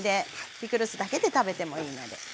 ピクルスだけで食べてもいいので。